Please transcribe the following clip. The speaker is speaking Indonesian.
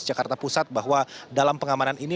jakarta pusat bahwa dalam pengamanan ini